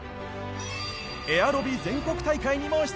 エアロビ全国大会にも出場。